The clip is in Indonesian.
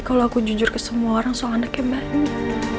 kalau aku jujur ke semua orang soal anak yang baik